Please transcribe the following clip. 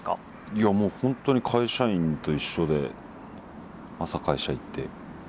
いやもう本当に会社員と一緒で朝会社行って夜帰るって感じです。